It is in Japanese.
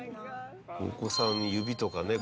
お子さん指とかね。